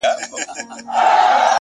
هره ورځ د بدلون نوې دروازه پرانیزي.!